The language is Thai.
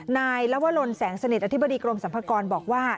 นายลวรลแสงเสน็จอธิบดีกรมสัมภัยกรณ์บอกว่า